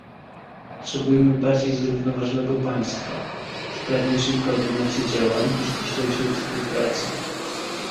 Potrzebujemy bardziej zrównoważonego partnerstwa, sprawniejszej koordynacji działań i ściślejszej współpracy